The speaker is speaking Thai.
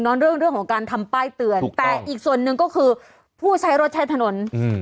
เรื่องของการทำป้ายเตือนแต่อีกส่วนหนึ่งก็คือผู้ใช้รถใช้ถนนอืม